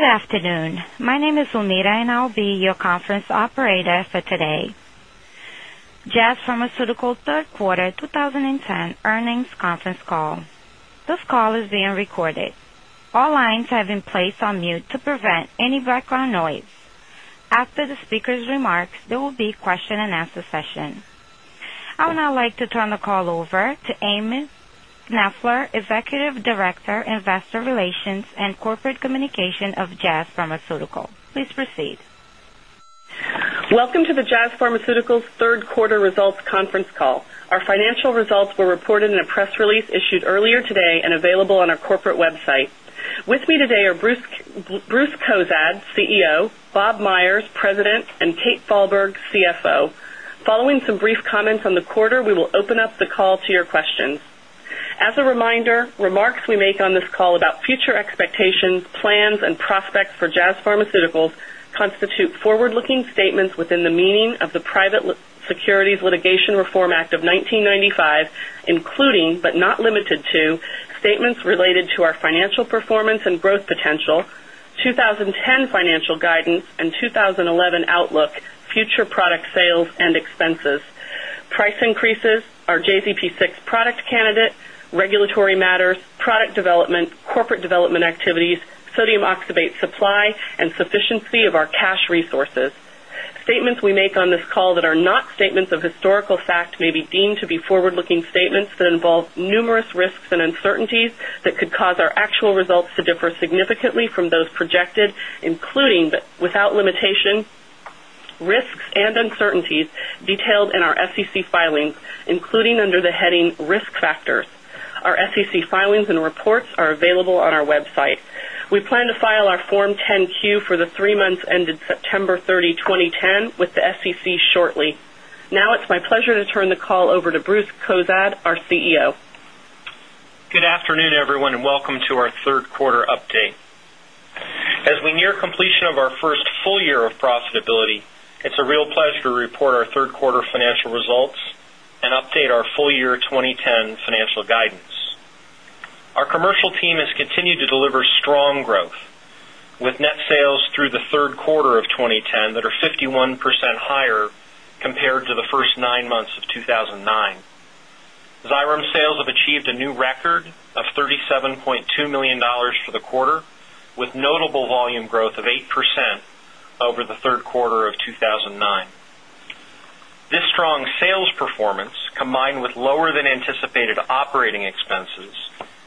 Good afternoon. My name is Amira, and I'll be your conference operator for today. Jazz Pharmaceuticals third quarter 2010 earnings conference call. This call is being recorded. All lines have been placed on mute to prevent any background noise. After the speaker's remarks, there will be question and answer session. I would now like to turn the call over to Ami Knoefler, Executive Director, Investor Relations and Corporate Communication of Jazz Pharmaceuticals. Please proceed. Welcome to the Jazz Pharmaceuticals third quarter results conference call. Our financial results were reported in a press release issued earlier today and available on our corporate website. With me today are Bruce Cozadd, CEO, Bob Myers, President, and Kate Falberg, CFO. Following some brief comments on the quarter, we will open up the call to your questions. As a reminder, remarks we make on this call about future expectations, plans, and prospects for Jazz Pharmaceuticals constitute forward-looking statements within the meaning of the Private Securities Litigation Reform Act of 1995, including, but not limited to, statements related to our financial performance and growth potential, 2010 financial guidance and 2011 outlook, future product sales and expenses, price increases, our JZP-6 product candidate, regulatory matters, product development, corporate development activities, sodium oxybate supply, and sufficiency of our cash resources. Statements we make on this call that are not statements of historical fact may be deemed to be forward-looking statements that involve numerous risks and uncertainties that could cause our actual results to differ significantly from those projected, including, but without limitation, risks and uncertainties detailed in our SEC filings, including under the heading Risk Factors. Our SEC filings and reports are available on our website. We plan to file our Form 10-Q for the three months ended September 30, 2010 with the SEC shortly. Now it's my pleasure to turn the call over to Bruce Cozadd, our CEO. Good afternoon, everyone, and welcome to our third quarter update. As we near completion of our first full year of profitability, it's a real pleasure to report our third quarter financial results and update our full year 2010 financial guidance. Our commercial team has continued to deliver strong growth with net sales through the third quarter of 2010 that are 51% higher compared to the first nine months of 2009. Xyrem sales have achieved a new record of $37.2 million for the quarter, with notable volume growth of 8% over the third quarter of 2009. This strong sales performance, combined with lower than anticipated operating expenses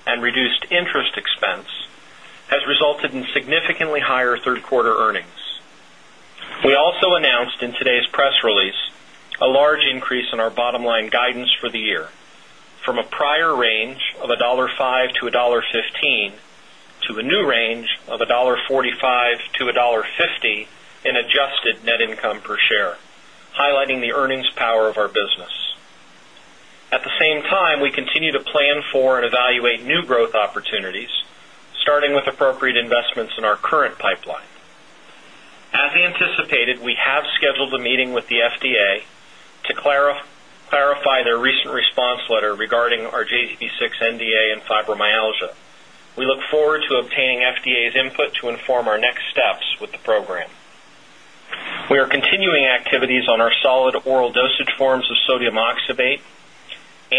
and reduced interest expense, has resulted in significantly higher third-quarter earnings. We also announced in today's press release a large increase in our bottom-line guidance for the year from a prior range of $1.05-$1.15 to the new range of $1.45-$1.50 in adjusted net income per share, highlighting the earnings power of our business. At the same time, we continue to plan for and evaluate new growth opportunities, starting with appropriate investments in our current pipeline. As anticipated, we have scheduled a meeting with the FDA to clarify their recent response letter regarding our JZP-6 NDA and fibromyalgia. We look forward to obtaining FDA's input to inform our next steps with the program. We are continuing activities on our solid oral dosage forms of sodium oxybate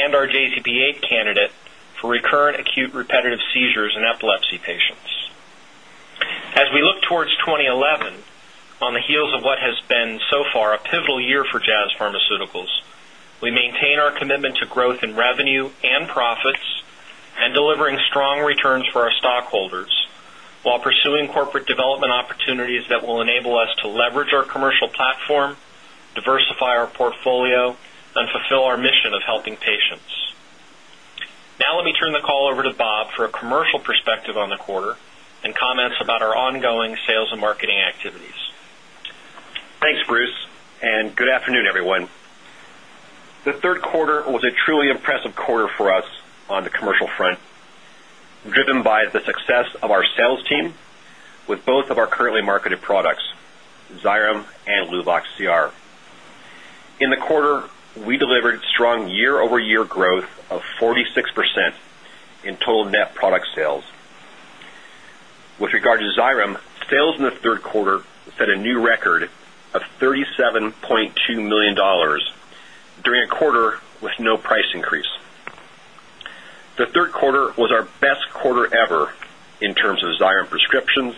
and our JZP-8 candidate for recurrent acute repetitive seizures in epilepsy patients. As we look towards 2011, on the heels of what has been so far a pivotal year for Jazz Pharmaceuticals, we maintain our commitment to growth in revenue and profits and delivering strong returns for our stockholders while pursuing corporate development opportunities that will enable us to leverage our commercial platform, diversify our portfolio, and fulfill our mission of helping patients. Now let me turn the call over to Bob for a commercial perspective on the quarter and comments about our ongoing sales and marketing activities. Thanks, Bruce, and good afternoon, everyone. The third quarter was a truly impressive quarter for us on the commercial front, driven by the success of our sales team with both of our currently marketed products, Xyrem and Luvox CR. In the quarter, we delivered strong year-over-year growth of 46% in total net product sales. With regard to Xyrem, sales in the third quarter set a new record of $37.2 million during a quarter with no price increase. The third quarter was our best quarter ever in terms of Xyrem prescriptions,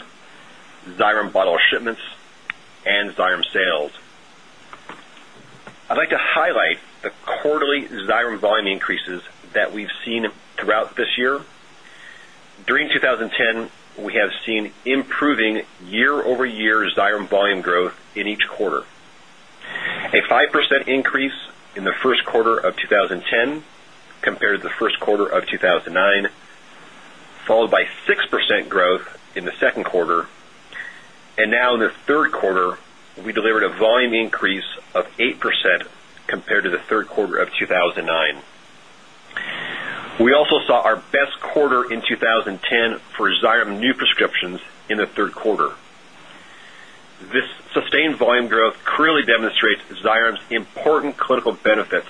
Xyrem bottle shipments and Xyrem sales. I'd like to highlight the quarterly Xyrem volume increases that we've seen throughout this year. During 2010, we have seen improving year-over-year Xyrem volume growth in each quarter. A 5% increase in the first quarter of 2010 compared to the first quarter of 2009, followed by 6% growth in the second quarter. Now in the third quarter, we delivered a volume increase of 8% compared to the third quarter of 2009. We also saw our best quarter in 2010 for Xyrem new prescriptions in the third quarter. This sustained volume growth clearly demonstrates Xyrem's important clinical benefits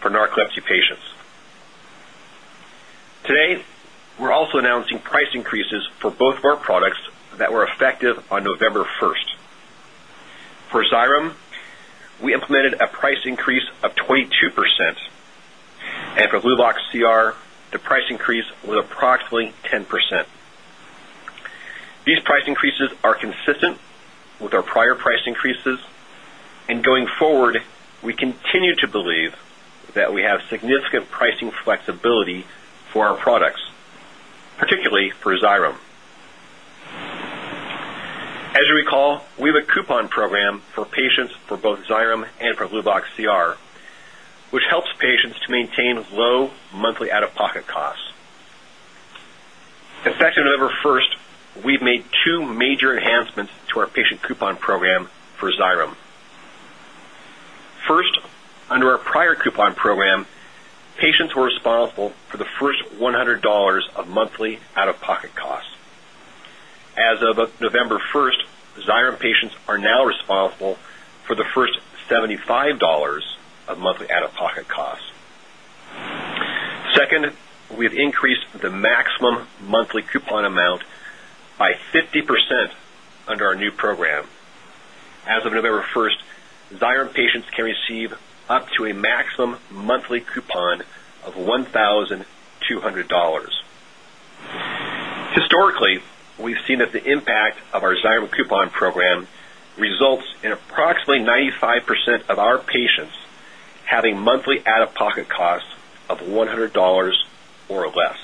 for narcolepsy patients. Today, we're also announcing price increases for both of our products that were effective on November 1. For Xyrem, we implemented a price increase of 22%, and for Luvox CR, the price increase was approximately 10%. These price increases are consistent with our prior price increases, and going forward, we continue to believe that we have significant pricing flexibility for our products, particularly for Xyrem. As you recall, we have a coupon program for patients for both Xyrem and for Luvox CR, which helps patients to maintain low monthly out-of-pocket costs. Effective November first, we've made two major enhancements to our patient coupon program for Xyrem. First, under our prior coupon program, patients were responsible for the first $100 of monthly out-of-pocket costs. As of November first, Xyrem patients are now responsible for the first $75 of monthly out-of-pocket costs. Second, we've increased the maximum monthly coupon amount by 50% under our new program. As of November first, Xyrem patients can receive up to a maximum monthly coupon of $1,200. Historically, we've seen that the impact of our Xyrem coupon program results in approximately 95% of our patients having monthly out-of-pocket costs of $100 or less.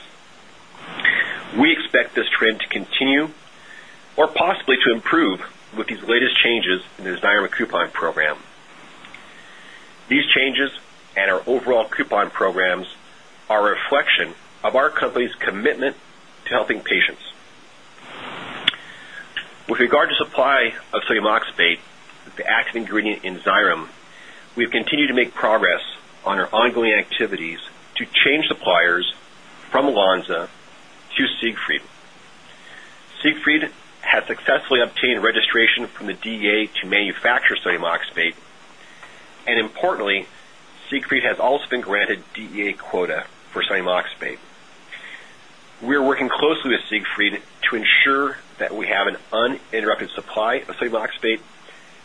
We expect this trend to continue or possibly to improve with these latest changes in the Xyrem coupon program. These changes and our overall coupon programs are a reflection of our company's commitment to helping patients. With regard to supply of sodium oxybate, the active ingredient in Xyrem, we've continued to make progress on our ongoing activities to change suppliers from Lonza to Siegfried. Siegfried has successfully obtained registration from the DEA to manufacture sodium oxybate, and importantly, Siegfried has also been granted DEA quota for sodium oxybate. We are working closely with Siegfried to ensure that we have an uninterrupted supply of sodium oxybate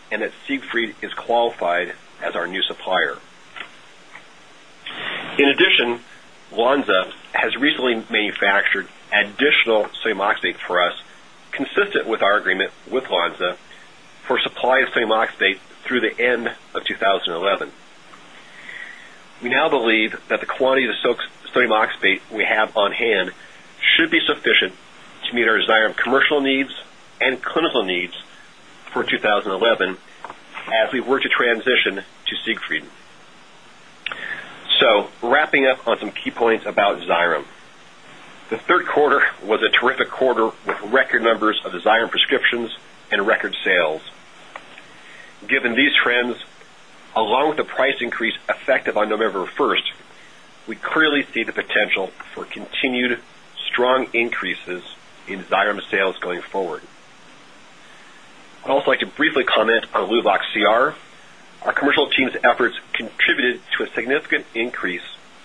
and that Siegfried is qualified as our new supplier. In addition, Lonza has recently manufactured additional sodium oxybate for us, consistent with our agreement with Lonza for supply of sodium oxybate through the end of 2011. We now believe that the quantity of sodium oxybate we have on hand should be sufficient to meet our Xyrem commercial needs and clinical needs for 2011 as we work to transition to Siegfried. Wrapping up on some key points about Xyrem. The third quarter was a terrific quarter with record numbers of Xyrem prescriptions and record sales. Given these trends, along with the price increase effective on November 1, we clearly see the potential for continued strong increases in Xyrem sales going forward. I'd also like to briefly comment on Luvox CR. Our commercial team's efforts contributed to a significant increase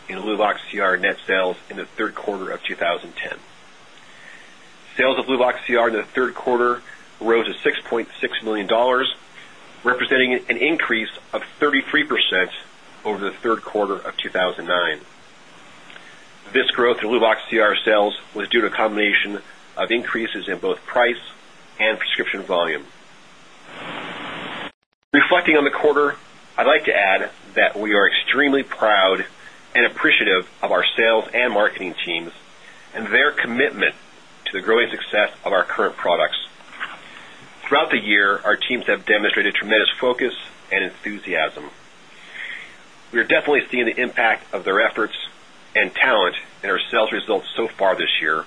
in Luvox CR net sales in the third quarter of 2010. Sales of Luvox CR in the third quarter rose to $6.6 million, representing an increase of 33% over the third quarter of 2009. This growth in Luvox CR sales was due to a combination of increases in both price and prescription volume. Reflecting on the quarter, I'd like to add that we are extremely proud and appreciative of our sales and marketing teams and their commitment to the growing success of our current products. Throughout the year, our teams have demonstrated tremendous focus and enthusiasm. We are definitely seeing the impact of their efforts and talent in our sales results so far this year,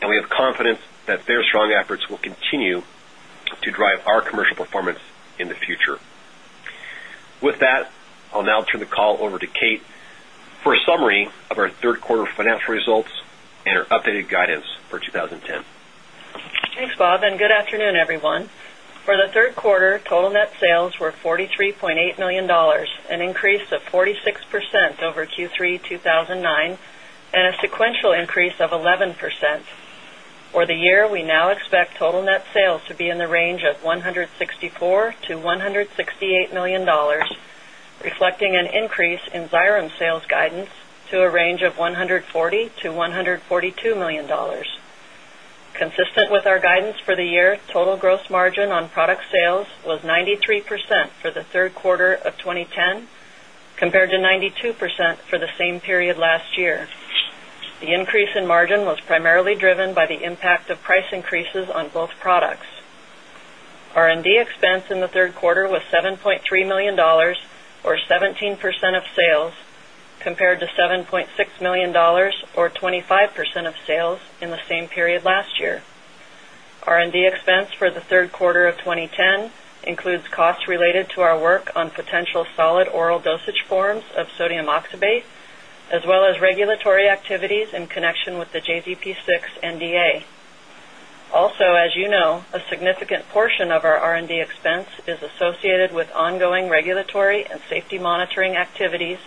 and we have confidence that their strong efforts will continue to drive our commercial performance in the future. With that, I'll now turn the call over to Kate for a summary of our third quarter financial results and our updated guidance for 2010. Thanks, Bob, and good afternoon, everyone. For the third quarter, total net sales were $43.8 million, an increase of 46% over Q3 2009 and a sequential increase of 11%. For the year, we now expect total net sales to be in the range of $164 million-$168 million, reflecting an increase in Xyrem sales guidance to a range of $140 million-$142 million. Consistent with our guidance for the year, total gross margin on product sales was 93% for the third quarter of 2010 compared to 92% for the same period last year. The increase in margin was primarily driven by the impact of price increases on both products. R&D expense in the third quarter was $7.3 million or 17% of sales, compared to $7.6 million or 25% of sales in the same period last year. R&D expense for the third quarter of 2010 includes costs related to our work on potential solid oral dosage forms of sodium oxybate, as well as regulatory activities in connection with the JZP-6 NDA. Also, as you know, a significant portion of our R&D expense is associated with ongoing regulatory and safety monitoring activities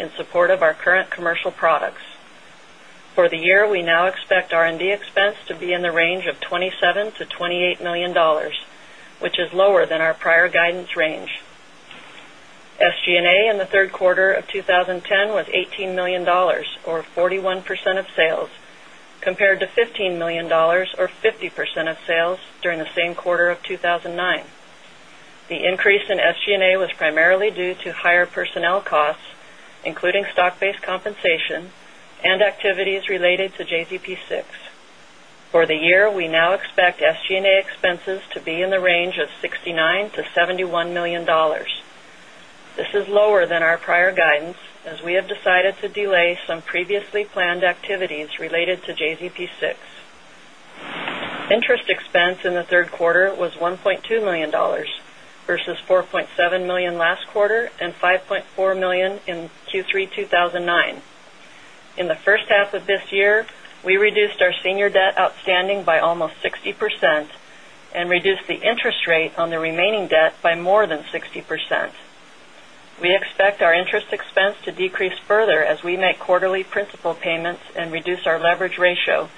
in support of our current commercial products. For the year, we now expect R&D expense to be in the range of $27 million-$28 million, which is lower than our prior guidance range. SG&A in the third quarter of 2010 was $18 million or 41% of sales, compared to $15 million or 50% of sales during the same quarter of 2009. The increase in SG&A was primarily due to higher personnel costs, including stock-based compensation and activities related to JZP-6. For the year, we now expect SG&A expenses to be in the range of $69 million-$71 million. This is lower than our prior guidance as we have decided to delay some previously planned activities related to JZP-6. Interest expense in the third quarter was $1.2 million versus $4.7 million last quarter and $5.4 million in Q3 2009. In the first half of this year, we reduced our senior debt outstanding by almost 60% and reduced the interest rate on the remaining debt by more than 60%. We expect our interest expense to decrease further as we make quarterly principal payments and reduce our leverage ratio,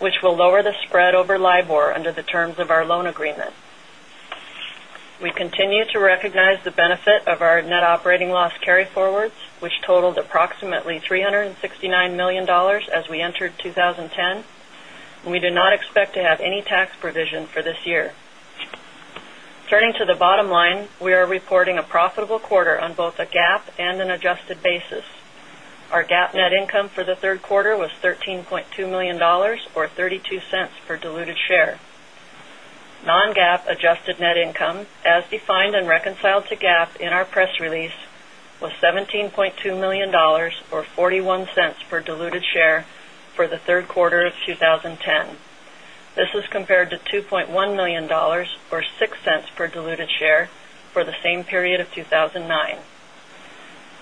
which will lower the spread over LIBOR under the terms of our loan agreement. We continue to recognize the benefit of our net operating loss carryforwards, which totaled approximately $369 million as we entered 2010, and we do not expect to have any tax provision for this year. Turning to the bottom line, we are reporting a profitable quarter on both a GAAP and an adjusted basis. Our GAAP net income for the third quarter was $13.2 million or $0.32 per diluted share. non-GAAP adjusted net income as defined and reconciled to GAAP in our press release was $17.2 million or $0.41 per diluted share for the third quarter of 2010. This is compared to $2.1 million or $0.06 per diluted share for the same period of 2009.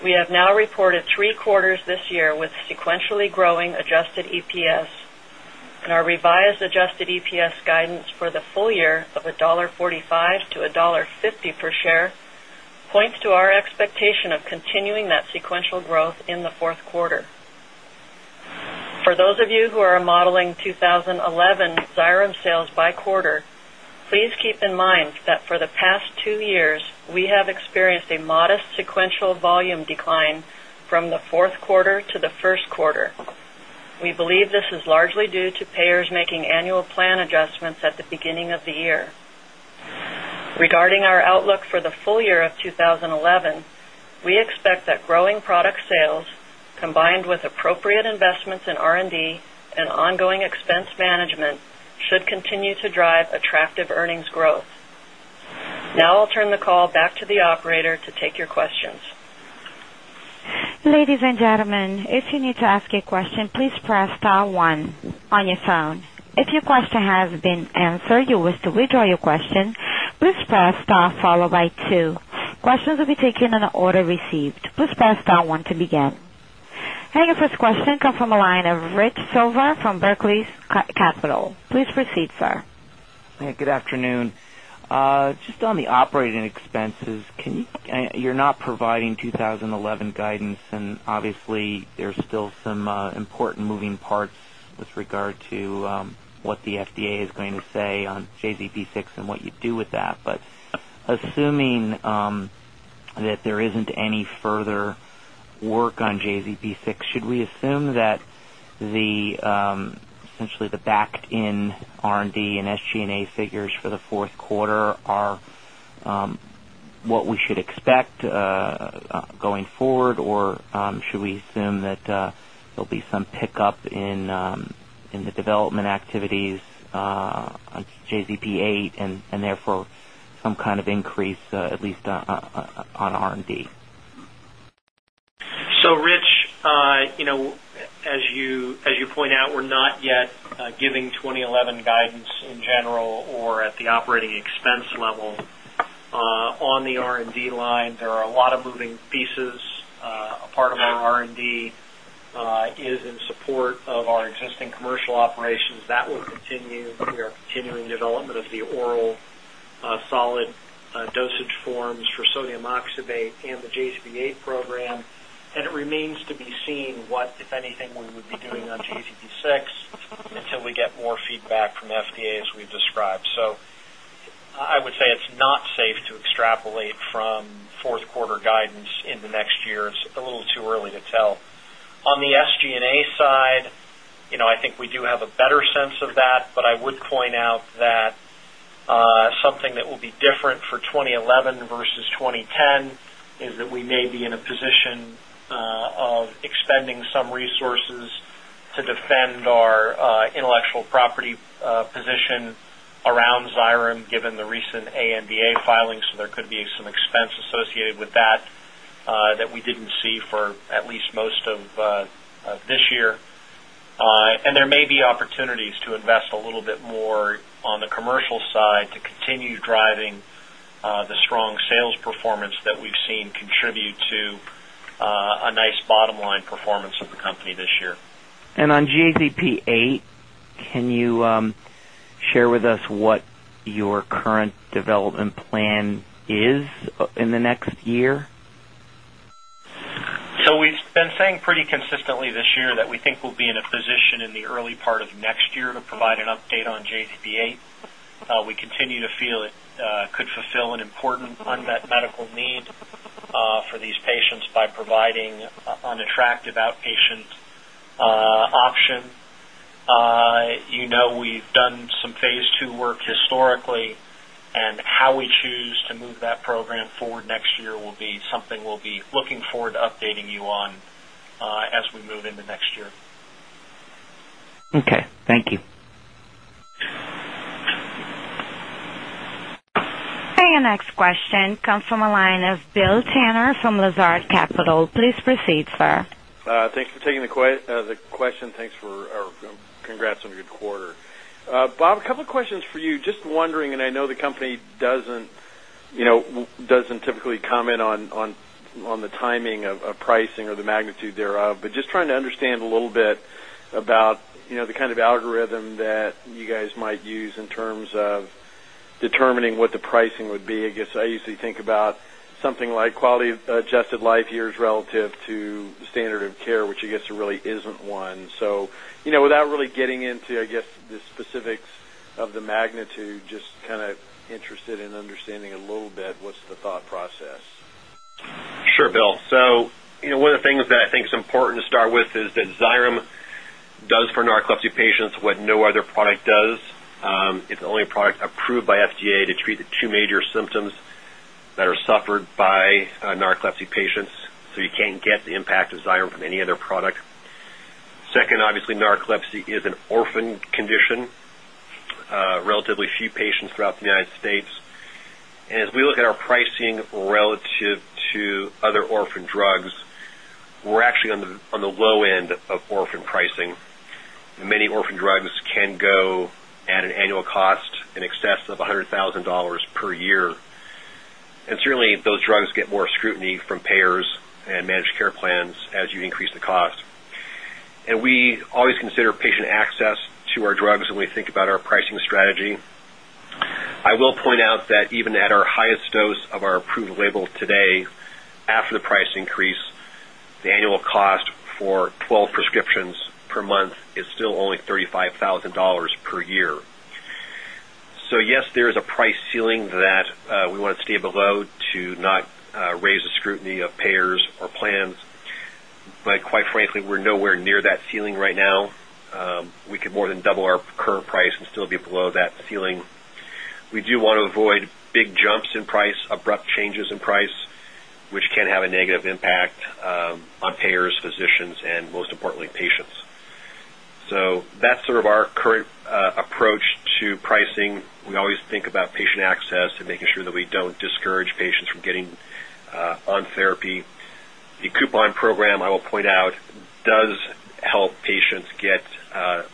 We have now reported three quarters this year with sequentially growing adjusted EPS and our revised adjusted EPS guidance for the full year of $1.45-$1.50 per share points to our expectation of continuing that sequential growth in the fourth quarter. For those of you who are modeling 2011 Xyrem sales by quarter, please keep in mind that for the past two years, we have experienced a modest sequential volume decline from the fourth quarter to the first quarter. We believe this is largely due to payers making annual plan adjustments at the beginning of the year. Regarding our outlook for the full year of 2011, we expect that growing product sales combined with appropriate investments in R&D and ongoing expense management should continue to drive attractive earnings growth. Now I'll turn the call back to the operator to take your questions. Ladies and gentlemen, if you need to ask a question, please press star one on your phone. If your question has been answered, you wish to withdraw your question, please press star followed by two. Questions will be taken in the order received. Please press star one to begin. Your first question comes from the line of Rich Silva from Barclays Capital. Please proceed, sir. Hey, good afternoon. Just on the operating expenses, you're not providing 2011 guidance, and obviously, there's still some important moving parts with regard to what the FDA is going to say on JZP-6 and what you do with that. But assuming that there isn't any further work on JZP-6, should we assume that essentially the backed in R&D and SG&A figures for the fourth quarter are what we should expect going forward? Or should we assume that there'll be some pickup in the development activities on JZP-8 and therefore some kind of increase at least on R&D? Rich, you know, as you point out, we're not yet giving 2011 guidance in general or at the operating expense level on the R&D line. There are a lot of moving pieces. A part of our R&D is in support of our existing commercial operations. That will continue. We are continuing development of the oral solid dosage forms for sodium oxybate and the JZP-8 program. It remains to be seen what, if anything, we would be doing on JZP-6 until we get more feedback from FDA as we've described. I would say it's not safe to extrapolate from fourth quarter guidance into next year. It's a little too early to tell. On the SG&A side, you know, I think we do have a better sense of that, but I would point out that something that will be different for 2011 versus 2010 is that we may be in a position of expending some resources to defend our intellectual property position around Xyrem, given the recent ANDA filings. There could be some expense associated with that that we didn't see for at least most of this year. There may be opportunities to invest a little bit more on the commercial side to continue driving the strong sales performance that we've seen contribute to A nice bottom line performance of the company this year. On JZP-8, can you share with us what your current development plan is in the next year? We've been saying pretty consistently this year that we think we'll be in a position in the early part of next year to provide an update on JZP-8. We continue to feel it could fulfill an important unmet medical need for these patients by providing an attractive outpatient option. You know, we've done some phase II work historically, and how we choose to move that program forward next year will be something we'll be looking forward to updating you on as we move into next year. Okay. Thank you. Our next question comes from the line of Bill Tanner from Lazard Capital Markets. Please proceed, sir. Thanks for taking the question. Thanks, or congrats on your quarter. Bob, a couple of questions for you. Just wondering, and I know the company doesn't, you know, doesn't typically comment on the timing of pricing or the magnitude thereof, but just trying to understand a little bit about, you know, the kind of algorithm that you guys might use in terms of determining what the pricing would be. I guess I usually think about something like quality-adjusted life years relative to the standard of care, which I guess there really isn't one. You know, without really getting into, I guess, the specifics of the magnitude, just kind of interested in understanding a little bit what's the thought process. Sure, Bill. You know, one of the things that I think is important to start with is that Xyrem does for narcolepsy patients what no other product does. It's the only product approved by FDA to treat the two major symptoms that are suffered by narcolepsy patients, so you can't get the impact of Xyrem from any other product. Second, obviously, narcolepsy is an orphan condition. Relatively few patients throughout the United States. As we look at our pricing relative to other orphan drugs, we're actually on the low end of orphan pricing. Many orphan drugs can go at an annual cost in excess of $100,000 per year. Certainly, those drugs get more scrutiny from payers and managed care plans as you increase the cost. We always consider patient access to our drugs when we think about our pricing strategy. I will point out that even at our highest dose of our approved label today, after the price increase, the annual cost for 12 prescriptions per month is still only $35,000 per year. Yes, there is a price ceiling that we want to stay below to not raise the scrutiny of payers or plans. Quite frankly, we're nowhere near that ceiling right now. We could more than double our current price and still be below that ceiling. We do want to avoid big jumps in price, abrupt changes in price, which can have a negative impact on payers, physicians, and most importantly, patients. That's sort of our current approach to pricing. We always think about patient access and making sure that we don't discourage patients from getting on therapy. The coupon program, I will point out, does help patients get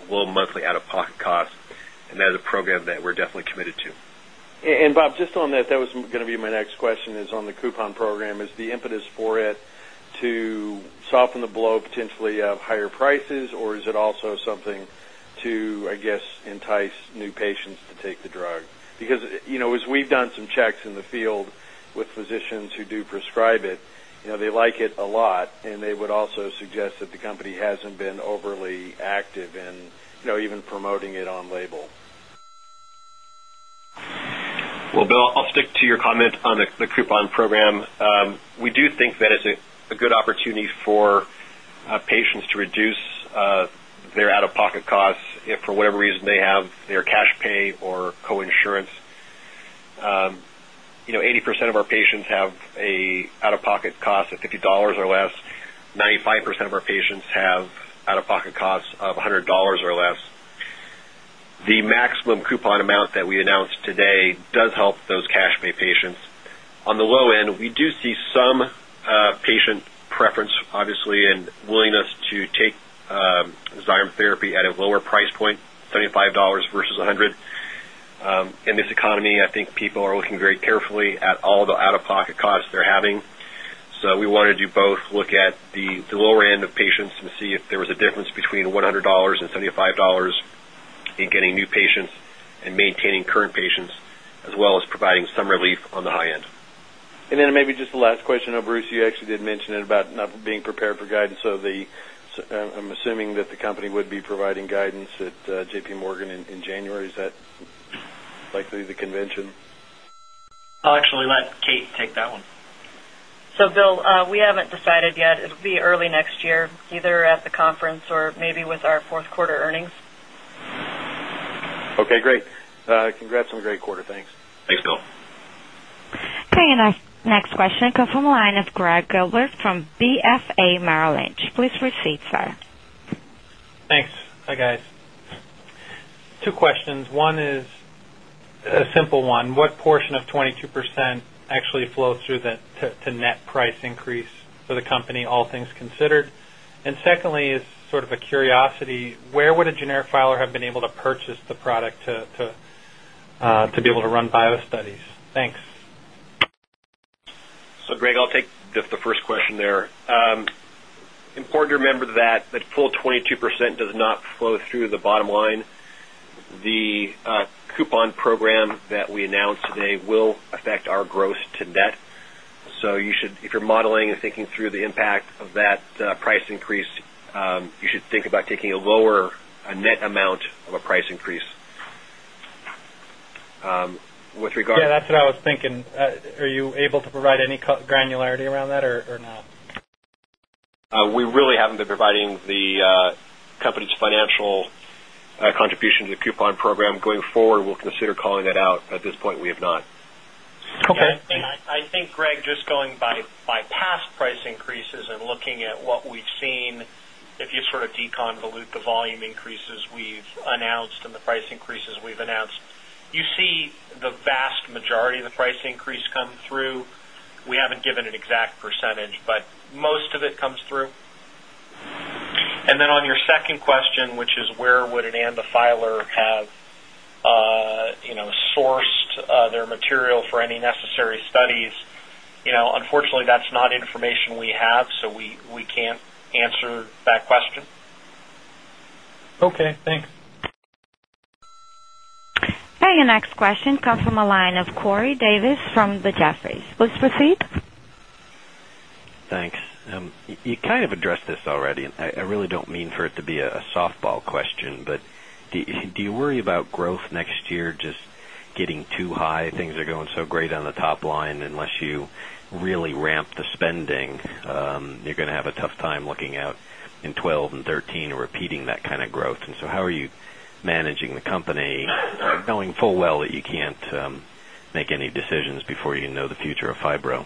low monthly out-of-pocket costs, and that is a program that we're definitely committed to. Bob, just on that was gonna be my next question is on the coupon program. Is the impetus for it to soften the blow potentially of higher prices, or is it also something to, I guess, entice new patients to take the drug? Because, you know, as we've done some checks in the field with physicians who do prescribe it, you know, they like it a lot, and they would also suggest that the company hasn't been overly active in, you know, even promoting it on label. Well, Bill, I'll stick to your comment on the coupon program. We do think that it's a good opportunity for patients to reduce their out-of-pocket costs if for whatever reason they have their cash pay or coinsurance. You know, 80% of our patients have a out-of-pocket cost of $50 or less. 95% of our patients have out-of-pocket costs of $100 or less. The maximum coupon amount that we announced today does help those cash pay patients. On the low end, we do see some patient preference, obviously, and willingness to take Xyrem therapy at a lower price point, $75 versus $100. In this economy, I think people are looking very carefully at all the out-of-pocket costs they're having. We wanted to both look at the lower end of patients and see if there was a difference between $100 and $75 in getting new patients and maintaining current patients, as well as providing some relief on the high end. Maybe just the last question. Now, Bruce, you actually did mention it about not being prepared for guidance. I'm assuming that the company would be providing guidance at JPMorgan in January. Is that likely the convention? I'll actually let Kate take that one. Bill, we haven't decided yet. It'll be early next year, either at the conference or maybe with our fourth quarter earnings. Okay, great. Congrats on a great quarter. Thanks. Thanks, Bill. Okay, our next question comes from the line of Gregg Gilbert from BofA Merrill Lynch. Please proceed, sir. Thanks. Hi, guys. Two questions. One is a simple one. What portion of 22% actually flows through to the net price increase for the company, all things considered? Secondly, as sort of a curiosity, where would a generic filer have been able to purchase the product to be able to run bio studies. Thanks. Gregg, I'll take just the first question there. Important to remember that the full 22% does not flow through the bottom line. The coupon program that we announced today will affect our gross-to-net. You should, if you're modeling and thinking through the impact of that price increase, think about taking a lower net amount of a price increase. With regard- Yeah, that's what I was thinking. Are you able to provide any granularity around that or not? We really haven't been providing the company's financial contribution to the coupon program. Going forward, we'll consider calling that out. At this point, we have not. Okay. I think Gregg, just going by past price increases and looking at what we've seen, if you sort of deconvolute the volume increases we've announced and the price increases we've announced, you see the vast majority of the price increase come through. We haven't given an exact percentage, but most of it comes through. Then on your second question, which is where would an ANDA filer have, you know, sourced their material for any necessary studies? You know, unfortunately, that's not information we have, so we can't answer that question. Okay, thanks. Your next question comes from a line of Corey Davis from Jefferies. Please proceed. Thanks. You kind of addressed this already. I really don't mean for it to be a softball question, but do you worry about growth next year just getting too high? Things are going so great on the top line. Unless you really ramp the spending, you're gonna have a tough time looking out in 2012 and 2013 and repeating that kind of growth. How are you managing the company, knowing full well that you can't make any decisions before you know the future of fibro?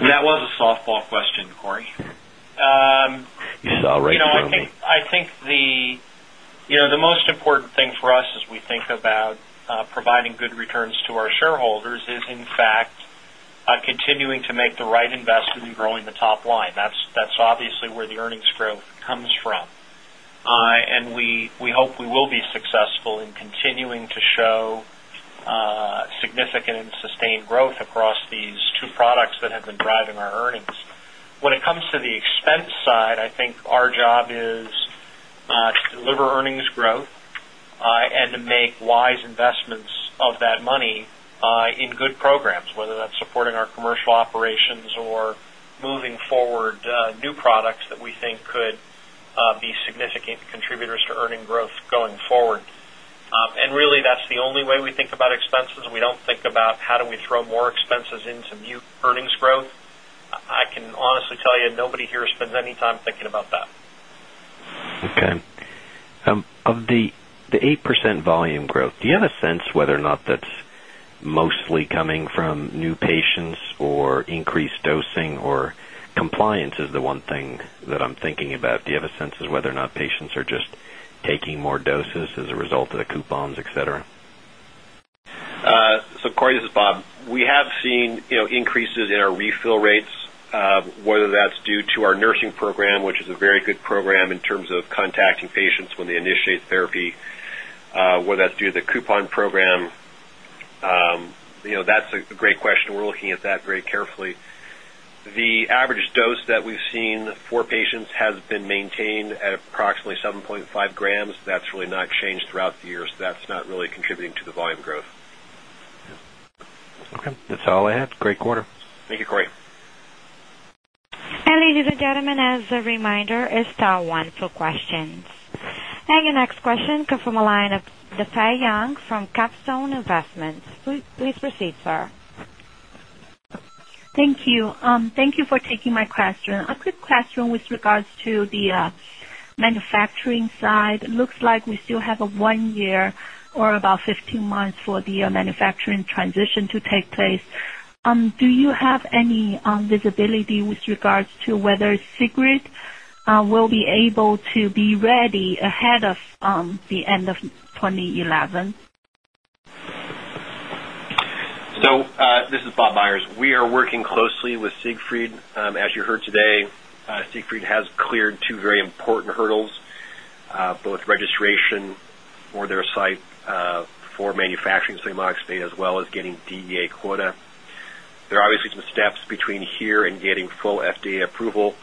That was a softball question, Corey. You saw right through me. You know, I think the most important thing for us as we think about providing good returns to our shareholders is in fact continuing to make the right investment in growing the top line. That's obviously where the earnings growth comes from. We hope we will be successful in continuing to show significant and sustained growth across these two products that have been driving our earnings. When it comes to the expense side, I think our job is to deliver earnings growth and to make wise investments of that money in good programs, whether that's supporting our commercial operations or moving forward new products that we think could be significant contributors to earning growth going forward. Really, that's the only way we think about expenses. We don't think about how do we throw more expenses into new earnings growth. I can honestly tell you, nobody here spends any time thinking about that. Okay. Of the 8% volume growth, do you have a sense whether or not that's mostly coming from new patients or increased dosing or compliance is the one thing that I'm thinking about. Do you have a sense of whether or not patients are just taking more doses as a result of the coupons, et cetera? Corey, this is Bob. We have seen, you know, increases in our refill rates, whether that's due to our nursing program, which is a very good program in terms of contacting patients when they initiate therapy, whether that's due to the coupon program. You know, that's a great question. We're looking at that very carefully. The average dose that we've seen for patients has been maintained at approximately 7.5 grams. That's really not changed throughout the year, so that's not really contributing to the volume growth. Okay. That's all I had. Great quarter. Thank you, Corey. Ladies and gentlemen, as a reminder, star one for questions. Your next question comes from a line of Desai Young from Capstone Investments. Please proceed, sir. Thank you. Thank you for taking my question. A quick question with regards to the manufacturing side. Looks like we still have a one year or about 15 months for the manufacturing transition to take place. Do you have any visibility with regards to whether Siegfried will be able to be ready ahead of the end of 2011? This is Robert Myers. We are working closely with Siegfried, as you heard today. Siegfried has cleared two very important hurdles, both registration for their site, for manufacturing sodium oxybate, as well as getting DEA quota. There are obviously some steps between here and getting full FDA approval,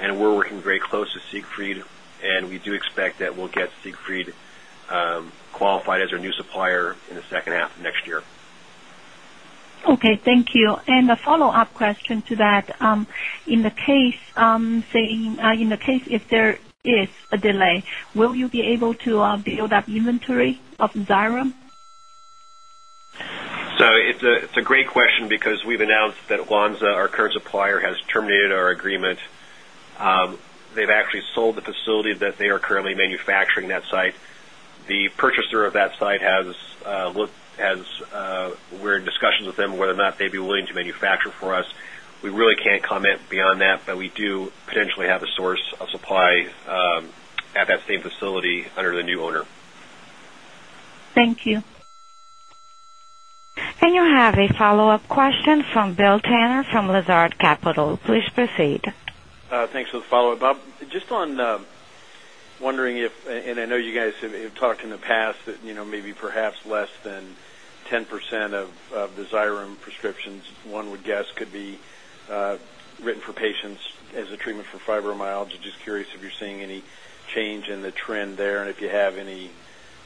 and we're working very close to Siegfried, and we do expect that we'll get Siegfried qualified as our new supplier in the second half of next year. Okay, thank you. A follow-up question to that. In the case, say, if there is a delay, will you be able to build up inventory of Xyrem? It's a great question because we've announced that Lonza, our current supplier, has terminated our agreement. They've actually sold the facility that they are currently manufacturing at that site. The purchaser of that site, we're in discussions with them whether or not they'd be willing to manufacture for us. We really can't comment beyond that, but we do potentially have a source of supply at that same facility under the new owner. Thank you. You have a follow-up question from Bill Tanner from Lazard Capital Markets. Please proceed. Thanks for the follow-up. Bob, just on wondering if, and I know you guys have talked in the past that, you know, maybe perhaps less than 10% of the Xyrem prescriptions, one would guess could be written for patients as a treatment for fibromyalgia. Just curious if you're seeing any change in the trend there, and if you have any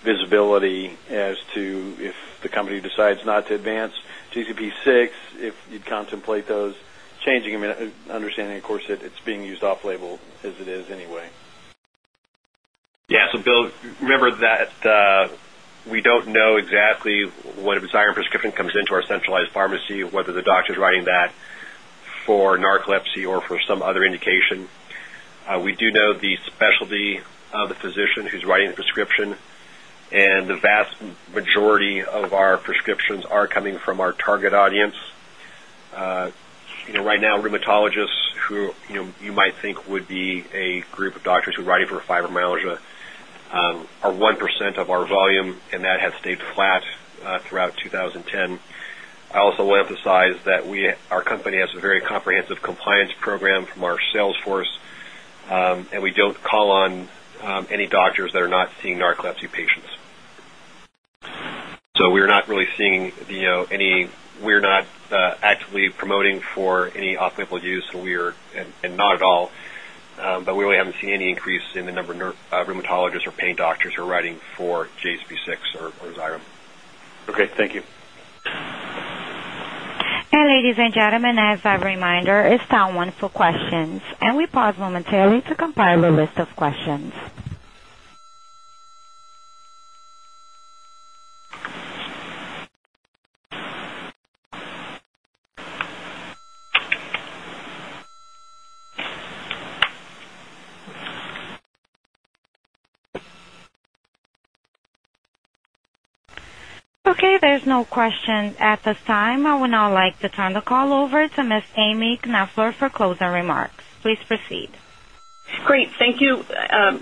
visibility as to if the company decides not to advance JZP-6, if you'd contemplate those changing. I mean, understanding of course that it's being used off-label as it is anyway. Yeah. Bill, remember that, we don't know exactly when a Xyrem prescription comes into our centralized pharmacy, whether the doctor's writing that for narcolepsy or for some other indication. We do know the specialty of the physician who's writing the prescription, and the vast majority of our prescriptions are coming from our target audience. You know, right now, rheumatologists who, you know, you might think would be a group of doctors who write it for fibromyalgia, are 1% of our volume, and that has stayed flat throughout 2010. I also will emphasize that our company has a very comprehensive compliance program from our sales force, and we don't call on any doctors that are not seeing narcolepsy patients. We're not really seeing, you know. We're not actively promoting for any off-label use. We are... not at all. We really haven't seen any increase in the number of rheumatologists or pain doctors who are writing for JZP-6 or Xyrem. Okay. Thank you. Ladies and gentlemen, as a reminder, it's now open for questions, and we pause momentarily to compile the list of questions. Okay, there's no questions at this time. I would now like to turn the call over to Miss Amy Knafler for closing remarks. Please proceed. Great. Thank you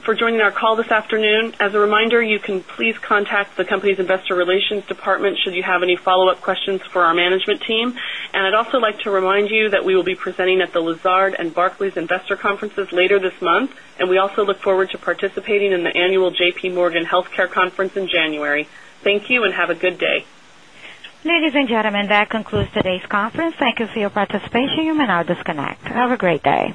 for joining our call this afternoon. As a reminder, you can please contact the company's investor relations department should you have any follow-up questions for our management team. I'd also like to remind you that we will be presenting at the Lazard and Barclays Investor Conferences later this month, and we also look forward to participating in the annual J.P. Morgan Healthcare Conference in January. Thank you and have a good day. Ladies and gentlemen, that concludes today's conference. Thank you for your participation. You may now disconnect. Have a great day.